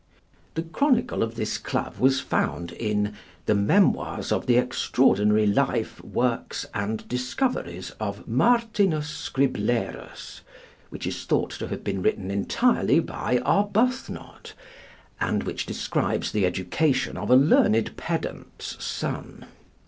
The chronicle of this club was found in 'The Memoirs of the Extraordinary Life, Works, and Discoveries of Martinus Scriblerus,' which is thought to have been written entirely by Arbuthnot, and which describes the education of a learned pedant's son.